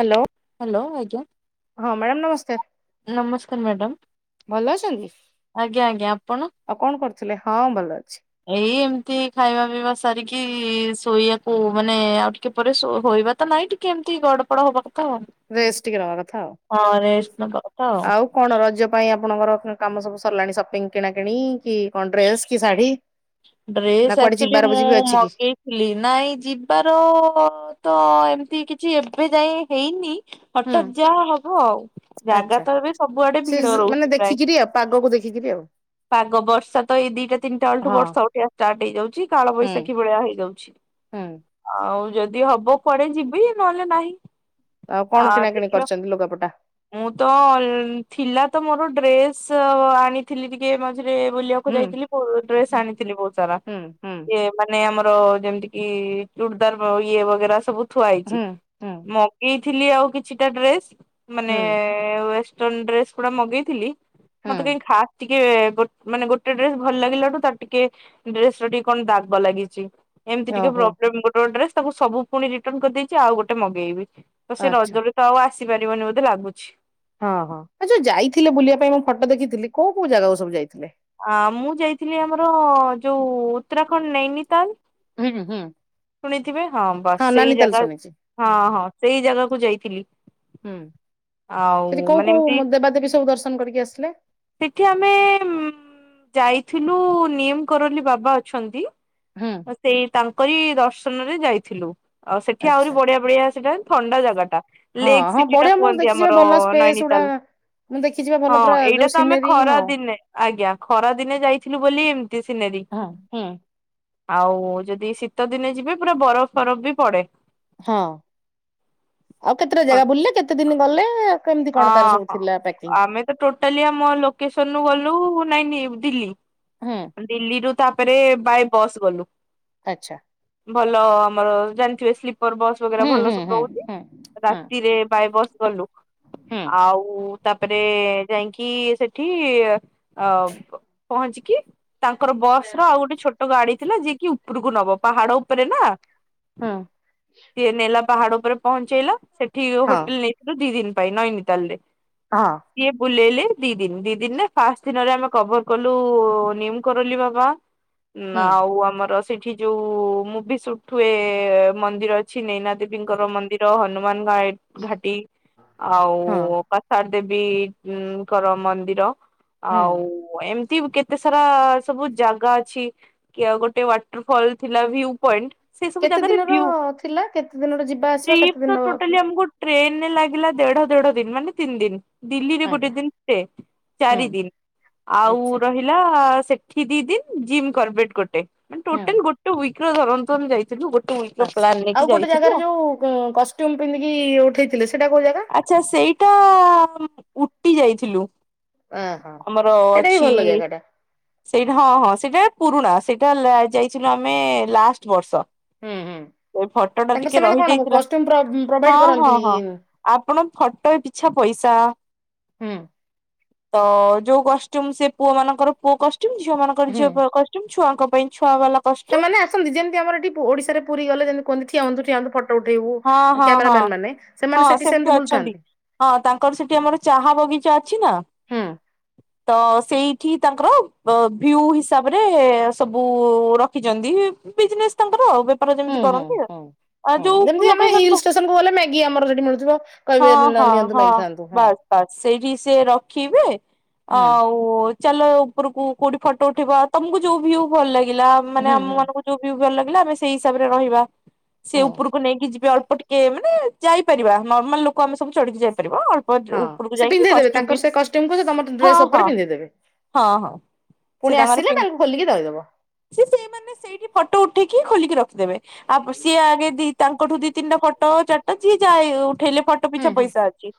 Hello. Hello ଆଜ୍ଞା। ହଁ madam ନମସ୍କାର। ନମସ୍କାର ମ୍ୟାଡାମ। ଭଲ ଅଛନ୍ତି ଆଜ୍ଞା ଆଜ୍ଞା ଆପଣ ଆଉ କଣ କରୁଥିଲେ? ହଁ ଭଲ ଅଛି। ଏଇ ଏମିତି ଖାଇବା ପିଇବା ସାରିକି ଶୋଇବାକୁ ମାନେ ଆଉ ଟିକେ ପରେ ଶୋ ହୋଇବା ତ ନାଇଁ ଟି ଏମିତି ଗଡପଡ ହବା କଥା ଆଉ। ରେଷ୍ଟ ଟିକେ ନବା କଥା ଆଉ, ହଁ ରେଷ୍ଟ ନବା କଥା ଆଉ କଣ ରଜ ପାଇଁ ଆପଣଙ୍କର କାମ ସବୁ ସରିଲାଣି ସପିଙ୍ଗ କିଣାକିଣି, କି କଣ ଡ୍ରେସ କି ଶାଢୀ? ନା ଡ୍ରେସ କୁଆଡେ ଆକଚୁଆଲି ଯିବାର ଯିବି ମୁଁ ଅଛି କି ମଗେଇ ନାଇ ଯିବାର ତ ଏମିତି କିଛି ଏବେ ଯାଏ ହେଇନି ହୁଁ ହଠାତ୍ ଯାହା ହବ ଆଉ, ଜାଗା ଆଚ୍ଛା ତ ଏବେ ସବୁଆଡେ ସେ ଭିଡ ମାନେ ରହୁଚି ପ୍ରାୟ। ଦେଖିକିରି ପାଗକୁ ଦେଖିକିରି ଆଉ ପାଗ, ବର୍ଷା ତ ଏଇ ଦିଟା ତିିନିଟାଳୋଠୁ ହଁ ବର୍ଷା ଉ ଷ୍ଟାର୍ଟ ହେଇଯାଉଚି, କାଳ ହୁଁ ବୈଶାଖୀ ଭଳିଆ ହେଇଯାଉଛି। ହୁଁ ଆଉ ଯଦି ହବ କୁଆଡେ ଯିବି, ନହେଲେ ନାହିଁ। ଆଉ ଆ କଣ କିଣାକିଣି ଦେଖିବା କରିଛନ୍ତି ଲୁଗାପଟା? ମୁଁ ତ ଅଲ ଥିଲା ତ ମୋର ଡ୍ରେସ ଆଉ ଆଣିଥିଲି ଟିକେ ମ ଝିରେ ବୁଲିବାକୁ ହୁଁ ଯାଇଥିଲି, ମୁ ହୁଁ ଡ୍ରେସ ଆଣିଥିଲି ବହୁତ। ସାରା ହୁଁ ହୁଁ। ଇଏ ମାନେ ଆମର ଯେମିତି କି ଚୁଡ଼ିଦାର ଇଏ ବଗେରା ସବୁ ଥୁଆ ହେଇଚି, ହୁଁ ମଗେଇଥିଲି ଆଉ କିଛିଟା ଡ୍ରେସ ମାନେ ହୁଁ ୱଏଷ୍ଟର୍ଣ୍ଣ ଡ୍ରେସ ଗୁଡା ମଗେଇଥିଲି, ହୁଁ ମତେ କାଇଁ ଖାସ ଟିକେ ଗୋଟ ମାନେ ଗୋଟେ ଡ୍ରେସ ଭଲ ଲାଗିଲାଠୁ ତାର ଟିକେ ଡ୍ରେସ ର ଟିକେ କଣ ଦାଗ ଲାଗିଛି, ଏମିତି ଟିକେ ଓହୋ ପ୍ରୋବ୍ଲେମ ଗୋ ଡ୍ରେସ୍ ତାକୁ ସବୁ ପୁଣି ରିଟର୍ନ କରିଦେଇଛି, ଆଉ ଗୋଟେ ମଗେଇବି, ତ ସେ ଆଚ୍ଛା ରଜରେ ଆଉ ଆସିପାରିବନି ବୋଧେ ଲାଗୁଛି। ହଁ ହଁ ଆଉ ଯୋଉ ଯାଇଥିଲେ ବୁଲିବା ପାଇଁ ମୁଁ ଫଟୋ ଦେଖିଥିଲି, କୋଉ କୋଉ ଜାଗାକୁ ସବୁ ଯାଇଥିଲେ? ଆ ମୁଁ ଯାଇଥିଲି ଆମର ଯୋଉ ଉତ୍ତରାଖଣ୍ଡ ନୈନିତାଲ ହୁଁ ହୁଁ। ଶୁଣିଥିବେ ହଁ ବାସ୍ ନାନୀ ସେଇ ତାଲ ଜାଗା, ଶୁଣିଛି। ହଁ ହଁ ସେଇ ଜାଗାକୁ ଯାଇଥିଲି। ହୁଁ, ସେଠି ଆଉ କୋଉ ମାନେ କୋଉ ଏମତି ମ ଦେବାଦେବୀ ସବୁ ଦର୍ଶନ କରିକି ଆସିଲେ? ସେଠି ଆମେ ମ ଯାଇଥିଲୁ ନିମ୍ କରୋଲି ବାବା ଅଛନ୍ତି। ହୁଁ। ସେଇ ତାଙ୍କରି ଦର୍ଶନରେ ଯାଇଥିଲୁ, ଆଉ ସେଠି ଆହୁରି ଆଚ୍ଛା ବଢିଆ ବଢିଆ ସେଇଟା ଥଣ୍ଡା ଜାଗାଟା। ହଁ ଲେକ୍ ହଁ ସିଟି ଟା ବଢିଆ ମୁଁ କୁହନ୍ତି ଦେଖିଛି ବା ଆମର ଭଲ ସ୍ପେସ୍ ଗୁଡା ନାଇନତାଲ, ମୁଁ ଦେଖିଛି ବା ଭଲ ହଁ ପୁରା ଯୋଉ ଏଇଟା ତ ଆମେ ସିନେରୀ ଖରା ହଁ। ଦିନେ ଆଜ୍ଞା, ଖରା ଦିନେ ଯାଇଥିଲୁ ବୋଲି ଏମିତି ସିନେରୀ। ହଁ ହୁଁ। ଆଉ ଯଦି ଶୀତ ଦିନେ ଯିବେ ପୁରା ବରଫ ଫରଫ ବି ପଡେ। ହଁ, ଆଉ କେତେଟା ହଁ ଜାଗା ବୁଲିଲେ, କେତେ ଦିନ ଗଲେ? କେମିତି କଣ ତାର ସବୁ ହଁ। ଥିଲା ପ୍ୟାକିଂ? ଆମେ ଟୋଟାଲି ଆମ ଲୋକେସନରୁ ଗଲୁ ନାଇଁ ନିଉ ଦିଲ୍ଲୀ ହୁଁ ଦିଲ୍ଲୀରୁ ତାପରେ ବାଏ ବସ୍ ଗଲୁ। ଆଛା। ଭଲ ଆମର ଜାଣିଥିବେ ସ୍ଲିପର ବସ୍ ବାଗେରା ହୁଁ ହୁଁ ଭଲ ସବୁ ହୁଁ ରହୁଛି। ହୁଁ ହୁଁ ରାତିରେ ବାଏ ବସ୍ ଗଲୁ। ହୁଁ ହୁଁ ଆଉ ତାପରେ ଯାଇକି ସେଠି ଅବ୍ ପହଞ୍ଚିକି। ତାଙ୍କର ବସ ର ଆଉ ଗୋଟେ ଛୋଟ ଗାଡି ଥିଲା ଯିଏକି ଉପରକୁ ନବ ପାହାଡ ଉପରେ ନା। ହୁଁ ସିଏ ନେଲା ପାହାଡ ଉପରେ ପହଞ୍ଚେଇଲା ସେଠି ହୋଟେଲ ହଁ ନେଇଥିଲୁ ଦି ଦିନ। ପାଇଁ ନାଇନ୍ ତାଲେ ଅହଁ ସିଏ ବୁଲେଇଲେ ଦି ଦିନ। ଦି ଦିନରେ ଫାଷ୍ଟ ଦିନରେ ଆମେ କଭର କଲୁ ନିମ କରୋଲି ବାବା। ନା ହୁଁ ଆଉ ଆମର ସେଠି ଯୋଉ ମୁଭି ସୁଟ ହୁଏ ମନ୍ଦିର ଅଛି ନେନା ଦେବୀଙ୍କର ମନ୍ଦିର ହନୁମାନ ଘାଟି ହଁ। ଆଉ କର୍ଥାତ ଦେବୀଙ୍କର ମନ୍ଦିର ଆଉ ହୁଁ। ଏମିତି କେତେ ଏତେ ସାରା ସବୁ ଜାଗା ଅଛି କି ଗୋଟେ ୱାଟର ଫଲ ଥିଲା ଭିଉ ପଏଣ୍ଟ। ସେ ସବୁ କେତେ ଜାଗାରେ ଦିନର ଭ୍ୟୁ ଥିଲା କେତେ ଦିନର ଯିବା ଆସିବା ସିଏ କେତେ ଦିନ ତ ଟୋଟାଲୀ ଥିଲା? ଆମକୁ ଟ୍ରେନ ଲାଗିଲା ଦେଢ ଦେଢ ଦିନ ମାନେ ତିନି ଦିନ ଦିଲ୍ଲୀରେ ଗୋଟେ ଆଜ୍ଞା। ଦିନ ଷ୍ଟେ ହୁଁ ଚାରି ଦିନ ଆଉ ଆଚ୍ଛା। ରହି ଲା ସେଠି ଦି ଦିନ ଜିମ୍ କର୍ବେଟ ଗୋଟେ ହୁଁ। ଟୋଟାଲ ଗୋଟେ ୱିକ। ଧରନତୁର ଯାଇଥିଲୁ ଗୋଟେ ୱିକ ର ଆସ ପ୍ଲାନ ନେଇକି ଆଉ ଗୋଟେ ଯାଇଥିଲୁ। ଜାଗାରେ ଯୋଉ କଷ୍ଟ୍ୟୁମ ପିନ୍ଧିକି ଉଠେଇଥିଲେ ସେଇଟା କୋଉ ଜାଗା। ଆଚ୍ଛା ସେଇଟା ଉଟି ଯାଇଥିଲୁ। ଓହୋ ଆମର ସେଇଟା ବି ଅଛି। ଭଲ ଜାଗା ଟା ସେଇଟା ହଁ ହଁ ସେଇଟା ପୁରୁଣା ସେଇଟା ଯାଇଥିଲୁ ଆମେ ଲାଷ୍ଟ ବର୍ଷ। ହୁଁ ହୁଁ। ସେଇ ଫଟୋ ଟା ତାଙ୍କର ଟିକେ ସେମାନେ କଣ ରହିଯାଇଥିଲା। କଷ୍ଟ୍ୟୁମ ପ୍ର-ପ୍ରୋଭାଇଡ ହଁ ହଁ କରନ୍ତି ହଁ। ଆପଣ ଫଟୋ ପିଛା ପଇସା ହୁଁ ତ ଯୋଉ କଷ୍ଟ୍ୟୁମ ସେ ପୁଅ ମାନଙ୍କର ପୁଅ କଷ୍ଟ୍ୟୁମ। ଝିଅ ମାନଙ୍କର ହୁଁ। ଝିଅ କଷ୍ଟ୍ୟୁମ। ଛୁଆଙ୍କ ପାଇଁ ଛୁଆ ବାଲା। କଷ୍ଟ୍ୟୁମ ସେମାନେ ଆସନ୍ତି ଯେମିତି ଆମର ଏଠି ଓଡିଶାରେ ପୁରୀ ଗଲେ ଯେମିତି ଠିଆ ହୁଅନ୍ତୁ ଠିଆ ହୁଅନ୍ତୁ ଫୋ ଫଟୋ ଉଠେଇବୁ ହଁ ହଁ କ୍ୟାମାର ହଁ ମେନ୍ ମାନେ ହଁ ସେମାନେ ସେଠି ସେମିତି ଅଛନ୍ତି। ବୁଲୁଥାନ୍ତି। ହଁ ତାଙ୍କର ସେଠି ଆମର ଚାହା ବଗିଚା ଅଛି ନା। ହୁଁ ତ ସେଇଠି ତାଙ୍କର ଭ୍ୟୁ ହିସାବରେ ସବୁ ରଖିଛନ୍ତି। ବିଜନେସ୍ ତାଙ୍କର ଆଉ ବେପାର ହୁଁ ଯେମିତି ହୁଁ କରନ୍ତି। ହୁଁ। ଆଉ ହଁ ଯୋଉ ଯେମିତି ଆମେ ଲୋକେସନ ହିଲ ଷ୍ଟେସନକୁ ଗଲେ ମେଗି ଆମର ମିଳୁଥିବ ହଁ କହିବେ ହଁ ନିଅନ୍ତୁ ହଁ ମେଗି ଖାଆନ୍ତୁ। ହଁ। ବାସ୍ ବାସ୍ ସେଇଠି ସେ ରଖିବେ। ହୁଁ ଓ ଚାଲ ଉପରକୁ କୋଉଠି ଫଟୋ ଉଠେଇବା ତମକୁ ଯୋଉ ଭ୍ୟୁ ଭଲ ଲାଗିଲା ମାନେ ହୁଁ ଆମ ହୁଁ ମାନଙ୍କୁ ଯୋଉ ଭ୍ୟୁ ଭଲ ଲାଗିଲା ଆମେ ସେଇ ହିସାବରେ ରହିବା ସେ ହଁ ଉପରକୁ ନେଇକି ଯିବେ ଅଳ୍ପ ଟିକେ ମାନେ ଯାଇପାରିବା ନର୍ମାଲ ଲୋକ ଆମେ ସବୁ ଚଢ଼ି କି ଯାଇପାରିବା ହଁ ଉପରକୁ ସେ ଯାଇକି ପିନ୍ଧେଇ ଦେବେ କଷ୍ଟ୍ୟୁମ ତାଙ୍କର ପିନ୍ଧି ସେ କଷ୍ଟ୍ୟୁମକୁ ସେ ତମ ହଁ ଡ୍ରେସ ହଁ ଉପରେ ପିନ୍ଧିଇ ଦେବେ। ହଁ ହଁ ସେ ପୁଣି ତାଙ୍କର ଆସିଲେ ପିନ୍ଧ ତାଙ୍କୁ ଖୋଲିକି ଧୋଇ ଦେବ। ସେ ସେଇମାନେ ସେଇଠି ଫଟୋ ଉଠେଇକି ଖୋଲିକି ରଖିଦେବେ। ଆଉ ସିଏ ଆଗେ ଦି ତାଙ୍କଠୁ ଦି ତିନିଟା ଫୋଟୋ ଚାଟା ଯିଏ ଯାଏ ଉଠେଇଲେ ଫଟ ଫଟୋ ହୁଁ ପିଛା ହୁଁ ପଇସା ଅଛି।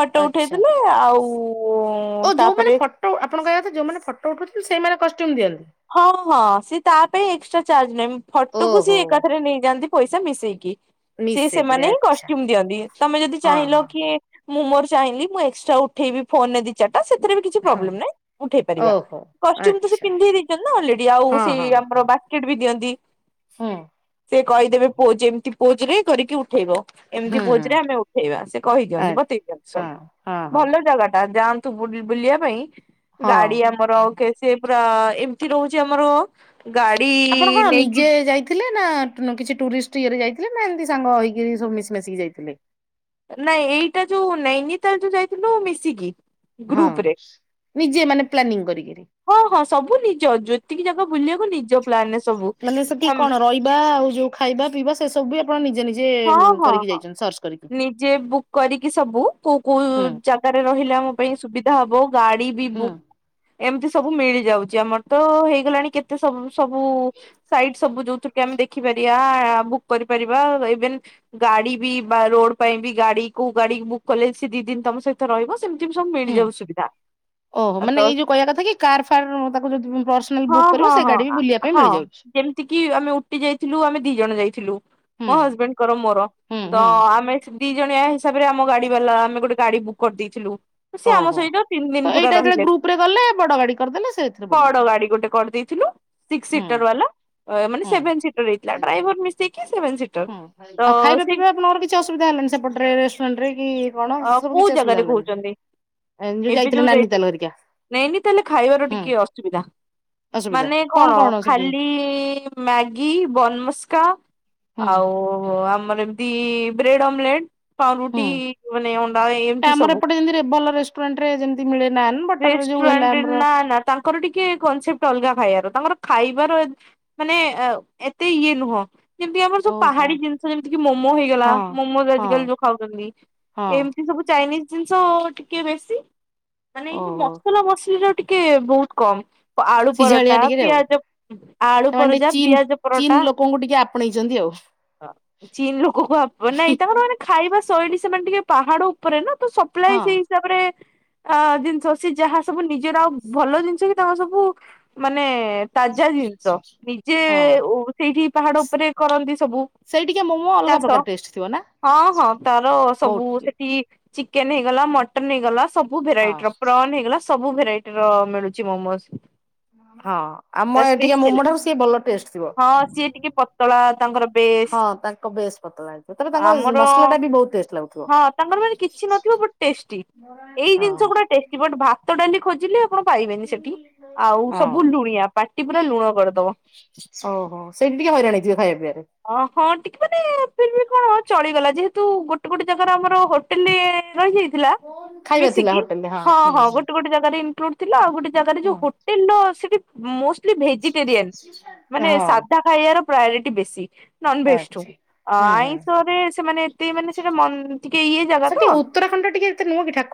ଫଟୋ ଉଠେଇ ଆଚ୍ଛା ଦେଲେ ଆଉ ଓ ଯୋଉମାନେ ତାପରେ ଫଟୋ ଆପଣଙ୍କ କହିବା କଥା ଯୋଉମାନେ ଫଟୋ ଉଠଉଛନ୍ତି ସେଇମାନେ କଷ୍ଟ୍ୟୁମ୍ ଦିଅନ୍ତି। ହଁ ହଁ ସେ ତା ପାଇଁ ଏକ୍ସଟ୍ରା ଚାର୍ଜ ନେବେ ଫଟୋକୁ ସେ ଓହୋ ଏକାଥରେ ନେଇଯାଆନ୍ତି। ପଇସା ମିଶେଇକି ସେ ମିଶେଇକିରି ସେମାନେ ହିଁ ଆଚ୍ଛା କଷ୍ଟ୍ୟୁମ ଦିଅନ୍ତି ତମେ ଯଦି ହଁ ଚାହିଁଲ ହଁ କି ମୁଁ ମୋର ଚାହିଁଲି ମୁଁ ଏକ୍ସଟ୍ରା ଉଠେଇବି ଫୋନ ରେ ଦିଚାରଟା ସେଥିରେ ବି କିଛି ହଁ ପବ୍ଲେମ ନାହିଁ ଉଠେଇ ପାରିବା ଓହୋ। କଷ୍ଟୁମ୍ ତ ସେ ଆଚ୍ଛା ପିନ୍ଧି ଅଲରେଡି ଆଉ ହଁ ସେଇ ହଁ ଆମର ହଁ ବାସ୍କେଟ ବି ଦିଅନ୍ତି। ହୁଁ। ସେ କହିଦେବେ ପୋଜ ଯେମିତି ପୋଜ ରେ କରିକି ଉଠେଇବ। ଏମିତି ହୁଁ ହୁଁ ପୋଜରେ ଆମେ ଉଠେଇବା ସେ ଆ କହିଛନ୍ତି ବତେଇ କ୍ୟାନସଲ୍ ହଁ ହଁ ହଁ ଭଲ ଜାଗା ଟା ଯାଆନ୍ତୁ ବୁଲି ବୁଲିବା ପାଇଁ ହଁ। ଗାଡି ଆମ ଆମର ଅ କେ ସେ ପୁରା ଏମିତି ରହୁଛି ଆମର ଗାଡି ନେଇକି ଥିଲେ ନା କିଛି ଟୁରିଷ୍ଟ ଇଏରେ ଯାଇଥିଲେ ନା ଏମିତି ସାଙ୍ଗ ହେଇକିରି ସବୁ ମିଶି ମାଶିକି ଯାଇଥିଲେ। ନାଇଁ ଏଇଟା ଯୋଉ ନେଇନିତାଲ ଯୋଉ ଯାଇଥିଲୁ ମିଶିକି। ହଁ ଗ୍ରୁପ ରେ ନିଜେ ମାନେ ପ୍ଲାନିଂ କରିକିରି। ହଁ ହଁ ସବୁ ନିଜ ଜୋତିକି ଯ ମାନେ ସେଠି କଣ ରହିବା ଆଉ ଯୋଉ ଖାଇବା ପିଇବା ସେ ସବୁ ବି ଆପଣ ନିଜେ ନିଜେ ହଁ ହଁ କରିକି ହଁ ଯାଇଛନ୍ତି ସର୍ଚ୍ଚ କରିକି। ନିଜେ ବୁକ୍ କରିକି ସବୁ କୋଉ କୋଉ ହୁଁ ଜା ଗାରେ ରହିଲେ ଆମୋ ପାଇଁ ସୁବିଧା ହବ ଗାଡି ବି ହୁଁ ବୁକ୍ ଏମିତି ସବୁ ମିଳିଯାଉଛି ଆମର ତ ହେଇଗଲାଣି କେତେ ସବୁ ସବୁ ସାଇଟ୍ ସବୁ ଯୋଉଥି କି ଆମେ ଦେଖିପାରିବା ବୁକ୍ କରିପାରିବା ଦେନ ଗାଡି ବି ବା ରୋଡ ପାଇଁ ବି ଗାଡି କୋଉ ଗାଡି ବୁକ୍ କଲେ ସେ ଦି ଦିନି ତମ ସହିତ ରହିବ। ସେମିତି ବି ସବୁ ହୁଁ। ମିଳିଯାଉ ସୁବିଧା। ଓହୋ ମାନେ ତ ଏଇ ଯୋଉ କହିବା କଥା କି କାର୍ ଫାର୍ ତାକୁ ଯଦି ପର୍ସନାଲ ବୁକ୍ କରିବ ସେଇ ଗାଡି ବି ବୁଲିବା ପାଇଁ ମିଳିଯାଉଛି। ଯେମିତିକି ଆମେ ଉଟି ଯାଇଥିଲୁ ଆମେ ଦି ଜଣ ଯାଇଥିଲୁ ହୁଁ ମୋ ହଜବେଣ୍ଡ ଙ୍କର ମୋର ହୁଁ ତ ହୁଁ ଆମେ ଦି ଜଣିଆ ହିସାବରେ ଆମ ଗାଡି ବାଲା ଆମେ ଗୋଟେ ଗାଡି ବୁକ୍ କରିଦେଇଥିଲୁ। ସିଏ ଆମ ଓହୋ। ସହିତ ତିନି ଦିନି ତ ପୁରା ଏଇଟା ଯେତେବେଳେ ରହିଲେ ଗ୍ରୁପ ରେ ଗଲେ ବଡ ଗାଡି କରିଦେଲେ ସେଥିରେ ବୁଲିଲେ ବଡ ଗାଡି ଗୋଟେ କରିଦେଇଥିଲୁ। ସିକ୍ସ ହୁଁ ସିଟର ବାଲା ମାନେ ହୁଁ। ସେଭେନ୍ ସିଟର ହେଇଥିଲା ଡ୍ରାଇଭର ମିଶିକି ସେଭେନ ସିଟର। ହୁଁ ତ ଆଉ ଖାଇବା ସେ ପିଇବା ଆପଣଙ୍କର କିଛି ଅସୁବିଧା ହେଲାନି ସେପଟରେ ରେଷ୍ଟୁରାଣ୍ଟ ରେ କି କଣ ସେ ସବୁ କୋଉ କିଛି ଅସୁିଧା ଜାଗାରେ ହେଲାନି। କହୁଛନ୍ତି ଏବେ ଯାଇଥିଲେ ଯୋଉ ନାନୀ ଯାଇଥିଲି ତାଲ ହେରିକା ନାଇନିତାଲେ ଖାଇବାର ହୁଁ ଟିକେ ଅସୁବିଧା। ମାନେ କଣ ଖାଲି ମ୍ୟାଗି ବନମସ୍କା ହୁଁ ଆଉ ଆମର ଏମିତି। କି ବ୍ରେଡ଼ ଅମଲେଟ। ପାଉରୁଟି ହୁଁ। ମାନେ ଅଣ୍ଡା ଏମିତି ଆମର ସବୁ। ଏପଟେ ଯେମିତି ଭଲ ରେଷ୍ଟୁରାଣ୍ଟ ରେ ଯେମିତି ମିଳେ ନାନ୍ ବଟର ଯୋଉ ହେଲା ରେଷ୍ଟୁରାଣ୍ଟ ରେ ଆମର ନା ନା ତାଙ୍କର ଟିକେ କନସେପ୍ଟ ଅଲଗା ଖାଇବାର ତାଙ୍କର ଖାଇବାର ମାନେ ଅ ଏତେ ଇଏ ନୁହଁ ଯେମିତି ଆମର ସବୁ ଓହୋ ପାହାଡି ଜିନି ଯେମିତି କି ମୋମୋ ହେଇଗଲା ହଁ ମୋମୋ ହଁ ଆଜିକାଲି ଯୋଉ ଖାଉଛନ୍ତି ହଁ ଏମିତି ସବୁ ଚାଇନିସ ଜିନିଷ ଟିକେ ବେଶୀ। ମାନେ ଏଇ ଯୋଉ ଓହୋ ମସଲା ମସଲି ର ଟିକେ ବହୁତ କମ ଆଳୁ ସିଝାଳିଆ ପରଟା ଟିକେ ଆଉ ପିଆଜ ଆଳୁ ସେମାନେ ଟିକେ ପରଜା ଚୀନ୍ ପିଆଜ ପରଟା [unintelligible] ଟିକେ ଆପଣେଇଛନ୍ତି ଆଉ। ଚୀନ ଲୋକ କୁ ଆପ ନାଇଁ ତାଙ୍କର ମାନେ ଖାଇବା ଶୈଳୀ ସେମାନେ ଟିକେ ପାହାଡ ଉପରେ ନା ତ ସପ୍ଲାଏ ହଁ ସେଇ ତାପରେ। ଆ ଜିନିଷ ଅଛି ଯାହା ସବୁ ନିଜର ଆଉ ଭଲ ଜିନିଷ ବି ତାଙ୍କର ସବୁ ମାନେ ତାଜା ଜିନିଷ ନିଜେ ହଁ। ସେଇଠି ପାହାଡ ଉପରେ କରନ୍ତି ସବୁ। ସେଇଟିକା ମୋମ୍ ଚାଷ ହଁ ହଁ ତାର ସବୁ ବହୁତ ସେଠି ଚିକେନ ହେଇଗଲା ମଟନ ହେଇଗଲା ସବୁ ହଁ ଭେରାଇଟିର ପ୍ରନ୍ ହେଇଗଲା ସବୁ ଭେରାଇ ର ମିଳୁଛି ମୋମୋସ୍। ହଁ ଆମ ଏଠିକା [unintelligible] ମୋମୋ ଦେଲେ ଠାରୁ ସିଏ ଭଲ ଟେଷ୍ଟ ଥିବ। ହଁ ସିଏ ଟିକେ ପତଳା ତାଙ୍କର ବେସ୍ ହଁ ତାଙ୍କ ବେସ୍ ପତଳା। ସେତେବେଳେ ତାଙ୍କ ମସଲା ଟା ବି ବହୁତ ଟେଷ୍ଟ ଲାଗୁଥିବ ହଁ ତାଙ୍କର ମାନେ କିଛି ହଁ। ପୁରା ଟେଷ୍ଟି ଵଟ୍ ଭାତ ଡାଲି ଖୋଜିଲେ। ଆପଣ ପାଇବେନି ସେଠି ଆଉ ହଁ ସବୁ ଲୁଣିଆ ପାଟି ପୁରା ଲୁଣ କରିଦବ। ଓହୋ ସେଇି ଟିକେ ହଇରାଣ ହେଥିବେ ଖାଇବା ପିଇରେ। ଅ ହଁ ଟିକେ ମାନେ ଫ ବି କଣ ଚଳିଗଲା ଯେହେତୁ ଗୋଟେ ଗୋଟେ ଜାଗାରେ ଆମର ହୋଟେଲ ରହିଯାଇଛି। ହେଲା ଖାଇବା ଥିଲା ମିଶିକି ହୋଟେଲରେ ହଁ ହୁଁ ହଁ ହୁଁ। ଗୋଟେ ଗୋଟେ ଜାଗ ଇନକ୍ଲୁଡ ଥିଲା ଆଉ ଗୋଟେ ଜାଗାରେ ହୁଁ। ଯୋଉ ହୋଟେଲ ର ସେଠି ମଲି ଭେଜିଟେରିଆନ୍ ମାନେ ହଁ ସାଧା ଖାଇବାର ପ୍ରାୟୋରିଟି ବେଶୀ ନନଭେଜଠୁ। ଅଛି ଅ ହୁଁ ହୁଁ ଆଇଁଷରେ ସେମାନେ ଏତେ ମାନେ ସେଟା ଟିକେ ଇଏ ଜାଗା ତ ଉତ୍ରାଖଣ୍ଡ ଟିକେତ ନହଁ କିଠା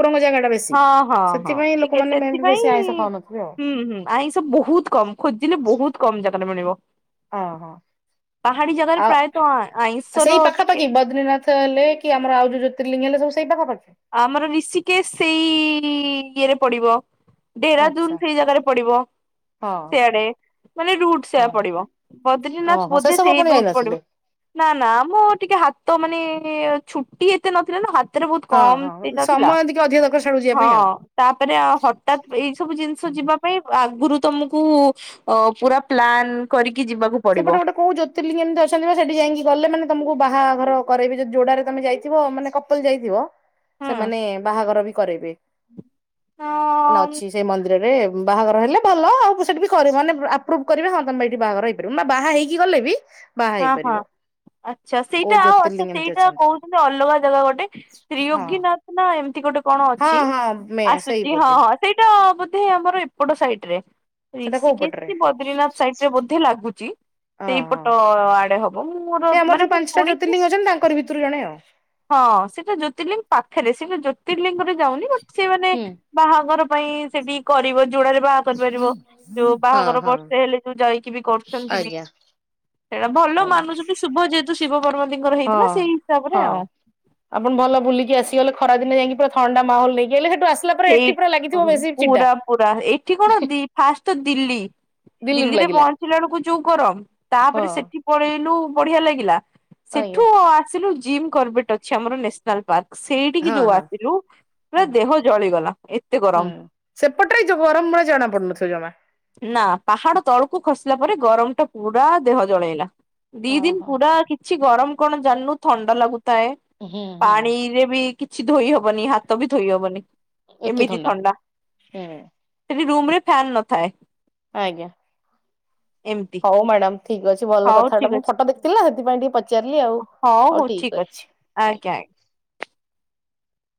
ହଁ ହଁ ହଁ ଟିକେ ଲୋକମାନେ ମେବି ସେଥିପାଇଁ ବେଶୀ ଆଇଁଷ ଖାଉନଥିବେ ଆଉ ହୁଁ ହୁଁ। ଆ ଏସବୁ ବହୁତ କମ ଖୋଜିଲେ ବହୁତ କମ ଜାଗାରେ ମିଳିବ। ଓ ହୋ। ପାହାଡି ଜାଗାରେ ପ୍ରାୟତଃ ସେଇ ଆଇଁସର ଟିକେ ପାଖାପାଖି ବଦ୍ରିନାଥ ହେଲେ କି ଆମର ଆଉ ଜ୍ୟୋତିଲିଙ୍ଗ ହେଲେ ସବୁ ପାଖପଖେ ଆମର ଋଷିକେଶ ସେଇ ଇଏରେ ପଡିବ। ଡେରା ଜୁନ ଆଚ୍ଛା ସେଇ ଜାଗାରେ ପଡିବ। ହଁ। ସେଆଡେ ମାନେ ରୁଟ ସେଆ ପଡିବ। ବଦ୍ରନାଥ ଓହୋ ସେ ବୋଧେ ସବୁ ସେଇ ଆପଣ ରୁଟ ଯାଇନଥିଲେ ପଡିବ। ନା ନା ମୋ ଟିକେ ହାତ ମାନେ ଛୁଟି ଏତେ ନଥିଲା ନା ହାତରେ ବହୁତ ହଁ କମ ହଁ ତଜ ଥିଲା ସମୟ ଟିକେ ଅଧିକ ଦରକାର ସିଆଡକୁ ଯିବା ହଁ। ପାଇଁ ଆଉ। ତାପରେ ହଠାତ୍ ଏଇ ସବୁ ଜିନିଷ ଯିବା ପାଇଁ ଆଗରୁ ତମକୁ ଅ ପୁରା ପ୍ଲାନ କରିକି ଯିବାକୁ ସେପଟେ ପଡିବ ଗୋଟେ କହୁଛ କେମିତି ଅଛନ୍ତି ସେଠି ଯାଇକି ଗଲେ ମାନେ ତମକୁ ବାହାଘର କରରେବି ଯଦି ଯୋଡାରେ ତମେ ଯାଇଥିବ ମାନେ କପଲ ଯାଇଥିବ ହୁଁ ସେମାନେ ବାହାଘର ବି କରାଇବେ ମାନେ ହଁ ଅଛି। ସେ ମନ୍ଦିରରେ ବାହାଘର ହେଲେ ଭଲ ଆଉ ସେଠି ବି କରିବ ମାନେ ଆପ୍ରୁଭ୍ କରିବେ ହଁ ତମେ ଏଇଠି ବାହାଘରଇ ବାହା ହେଇକି ଗଲେ ବି ବାହା ହଁ ହଁ ହେଇପାରିବ। ଆଚ୍ଛା କୋଉ ସେଇଟା ଆଉ ଆ୍ଛା ଜ୍ୟୋତିର୍ଲିଙ୍ଗ ଏମିତି ସେଇଟା ଅଛନ୍ତି କହୁଛନ୍ତି ଅଲଗା ଜାଗା ଗୋଟେ ହଁ ତ୍ରିଯୋଗୀନାଥ ନା ଏମିତି ଗୋଟେ କଣ ହଁ ଅଛି ହଁ ମେ ସେଇ ଆସୁଛି ହଁ ବୋଧେ ହଁ। ସେଇଟା ବୋଧେ ଆମର ଏପଟ ସାଇଟ ରେ। ସେଟା କୋଉ ରଷିକ ପଟରେ ବଦ୍ରିନାଥ ସାଇଡରେ ବେ ଲାଗୁଛି ଓହୋ ସେଇପଟେ ତ ଆଡେ ହବ ମୁଁ ମୋର ମାନେ ମୁଁ ଶୁଣିଛି। ଛନ୍ତି ତାଙ୍କର ଭିତରେ ଜଣେ ଆଉ ହଁ ସେଇଟା ଜ୍ୟୋତିର୍ଲିଙ୍ଗ ପାଖରେ ସେଇଟା ଜ୍ୟୋତିର୍ଲିଙ୍ଗରେ ଯାଉନି ଗୋ ସେମାନେ ହୁଁ ବାହାଘର ପାଇଁ ସେଠି କରିବ ଯୋଡାରେ ବାହା କରିପାରିବ ଯୋଉ ହଁ ବାହାଘର ହଁ ବର୍ଷେ ହେଲେ ଯୋଉ ଯାଇକି ବି କରୁଛନ୍ତି ବି ଆଜ୍ଞା ସେଇଟା ଭଲ ଆଜ୍ଞା ମାନୁଛନ୍ତି ଶୁଭ ଯେହେତୁ ଶିବ ପର୍ବତୀଙ୍କର ହେଇଥିଲା ହଁ ସେଇ ହିସାବରେ ହଁ ଆଉ। ଆପଣ ଭଲ ବୁଲି ଆସିଗଲେ ଖରା ଦିନ ଯାଇକି ପୁର ଥଣ୍ଡା ମାହଲ ନେଇକିଲେ ସେଠୁ ଆସ ସେଇ ପୁରା ପୁରା ଏଇଠି କଣ ଦ ଫାଷ୍ଟ ତ ଦିଲ୍ଲୀ ଦିଲ୍ଲୀରୁ ଦିଲ୍ଲୀରେ ଲାଗିଲା ପହଞ୍ଚିଲା ବେଳକୁ ଯୋଉ ଗରମ ତାପରେ ହଁ ସେଠି ପଳେଇଲୁ ବଢିଆ ଲାଗିଲା ସେଠୁ ଆଜ୍ଞା ଆସିଲୁ ଜିମ୍ କର୍ବେଟ ଅଛି ଆମର ନ୍ୟାସନାଲ ପାର୍କ। ସେଇଠିକି ହଁ ଯୋଉ ହଁ ଆସିଲୁ ପୁରା ହୁଁ ଦେହ ଜଳିଗଲା ଏତେ ଗରମ। ହୁଁ ସେପଟରେ ଜବର ମଳ ଜଣା ପଡୁନଥିବ ଜମା। ନା ପାହାଡ ତଳକୁ ଖସିଲା ପରେ ଗରମ ଟା ପୁରା ଦେହ ଜଳେଇଲା। ଦି ଦିନ ଓହୋ ପୁରା କିଛି ଗରମ କଣ ଜାଣିନୁ ଥଣ୍ଡା ଲାଗୁଥାଏ ହୁଁ ହୁଁ ପାଣିରେ ବି କିଛି ଧୋଇହବନି ହାତ ବି ଧୋଇହବନି। ଏମିତି ଥଣ୍ଡା ହୁଁ ସେଠି ରୁମରେ ପ୍ୟାନ୍ ନଥାଏ। ଆଜ୍ଞା। ଏମିତି ହଉ ମ୍ୟାଡାମ ଠିକ ଅଛି ଭଲ ହଉ କଥାଟା ଠିକ ମୁଁ ଅଛି। ଫଟୋ ଦେଖିଥିଲା ସେଥିପାଇଁ ଟିକେ ପଚାରିଲି ଆଉ ହଉ ଠିକ ଅଛି। ଆଜ୍ଞା।